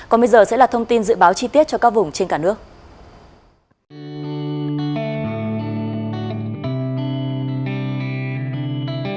còn bây giờ sẽ là thông tin dự báo chi tiết cho các vùng trên cả nước